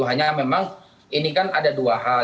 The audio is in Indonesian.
hanya memang ini kan ada dua hal